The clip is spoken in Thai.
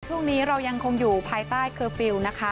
ช่วงนี้เรายังคงอยู่ภายใต้เคอร์ฟิลล์นะคะ